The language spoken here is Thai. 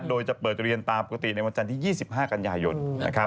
โดยจะเปิดเรียนตามปกติในวันจันทร์ที่๒๕กันยายน